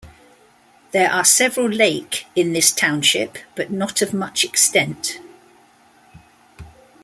There are several lake in this Township but not of much extent.